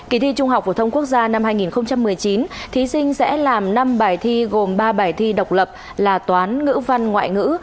kỳ thi trung học phổ thông quốc gia năm hai nghìn một mươi chín thí sinh sẽ làm năm bài thi gồm ba bài thi độc lập là toán ngữ văn ngoại ngữ